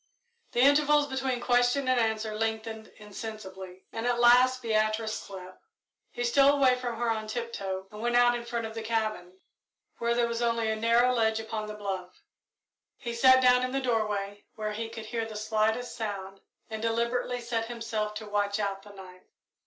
The intervals between question and answer lengthened insensibly, and at last Beatrice slept. He stole away from her on tiptoe and went out in front of the cabin, where there was only a narrow ledge upon the bluff. He sat down in the doorway, where he could hear the slightest sound, and deliberately set himself to watch out the night.